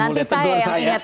mulai tegur saya